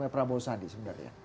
yang pernah berusaha andi sebenarnya